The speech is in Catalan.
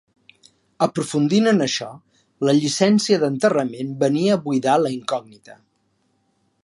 Aprofundint en això, la llicència d'enterrament venia a buidar la incògnita.